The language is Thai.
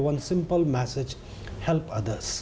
อะนี่แค่ว่าที่จะสูตรผม